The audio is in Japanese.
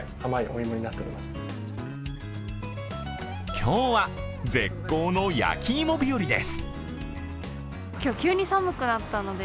今日は絶好の焼き芋日和です。